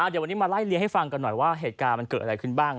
เดี๋ยววันนี้มาไล่เลี้ให้ฟังกันหน่อยว่าเหตุการณ์มันเกิดอะไรขึ้นบ้าง